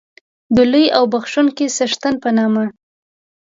د لوی او بښوونکي څښتن په نامه.